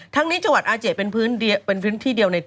ทั้งนี้จังหวัดอาเจเป็นพื้นที่เดียวใน